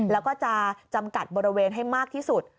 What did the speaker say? แล้วก็จะจำกัดบริเวณให้มากที่สุด